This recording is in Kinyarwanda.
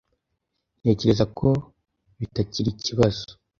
Ntekereza ko bitakiri ikibazo.